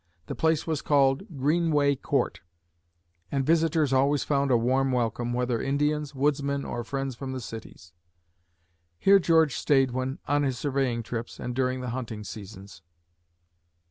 The place was called "Greenway Court," and visitors always found a warm welcome, whether Indians, woodsmen, or friends from the cities. Here George stayed when on his surveying trips and during the hunting seasons.